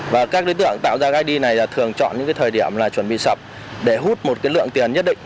và các đối tượng tạo ra id này thường chọn những thời điểm chuẩn bị sập để hút một lượng tiền nhất định